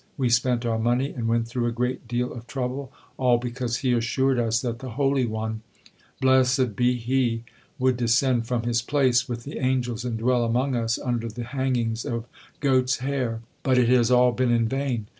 We spent our money and went through a great deal of trouble, all because he assured us that the Holy One, blessed be He, would descend from His place with the angels and dwell among us under 'the hangings of goats' hair,' but it has all been in vain."